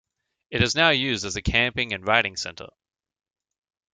It is now used as a camping and riding centre.